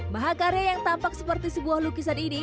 maha karya yang tampak seperti sebuah lukisan ini